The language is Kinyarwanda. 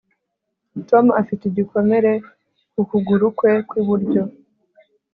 Tom afite igikomere ku kuguru kwe kwiburyo